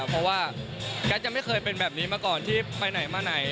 เพราะว่าแก๊สยังไม่เคยเป็นแบบนี้มาก่อนที่ไปไหนมาไหน